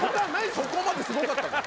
そこまですごかったのよ